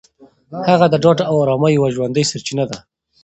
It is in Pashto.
هغه د ډاډ او ارامۍ یوه ژوندۍ سرچینه ده.